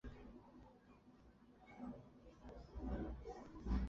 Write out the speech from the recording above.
上述两个数值的乘积可以被认为是电流增益下降到单位增益时的频率。